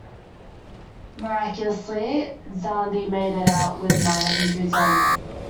Miraculously, Zandi made it out with minor injuries only.